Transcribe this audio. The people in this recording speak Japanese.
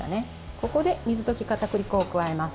ここで水溶きかたくり粉を加えます。